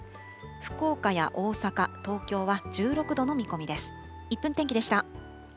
福岡や大阪、東京は１６度の見込みです。